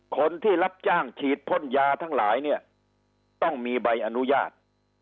คนที่รับจ้างฉีดพ่นยาทั้งหลายเนี่ยต้องมีใบอนุญาต